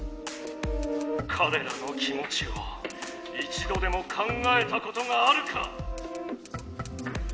かれらの気持ちをいちどでも考えたことがあるか？